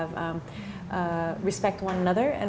menghormati satu sama lain